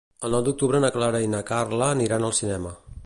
El nou d'octubre na Clara i na Carla aniran al cinema.